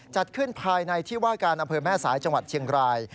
จัดขึ้นภายในที่ว่าการอำเภอแม่สายจังหวัดเชียงราย